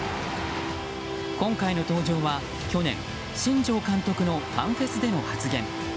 今回の登場は去年新庄監督のファンフェスでの発言。